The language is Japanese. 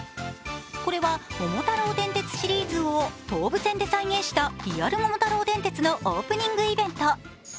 これは「桃太郎電鉄」シリーズを東武線で再現した「リアル桃太郎電鉄」のオープニングイベント。